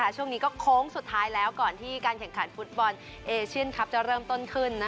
ช่วงนี้ก็โค้งสุดท้ายแล้วก่อนที่การแข่งขันฟุตบอลเอเชียนคลับจะเริ่มต้นขึ้น